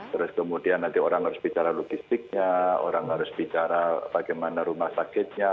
terus kemudian nanti orang harus bicara logistiknya orang harus bicara bagaimana rumah sakitnya